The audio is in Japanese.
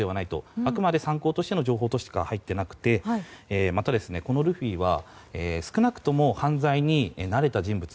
あくまで参考としての情報しか入っていなくてまた、このルフィは少なくとも犯罪に慣れた人物。